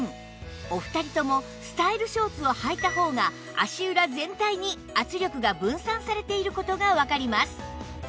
お二人ともスタイルショーツをはいた方が足裏全体に圧力が分散されている事がわかります